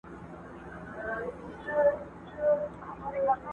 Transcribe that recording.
راته مه راکوه زېری د ګلونو د ګېډیو.!